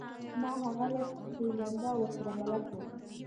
ما هغه لږ پیژنده او ورسره بلد وم